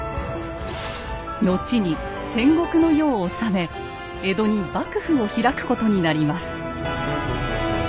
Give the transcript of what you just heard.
後に戦国の世を治め江戸に幕府を開くことになります。